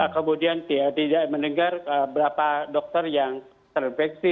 kemudian tidak mendengar berapa dokter yang terinfeksi